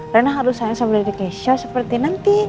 rena harus sayang sama dede keisha seperti nanti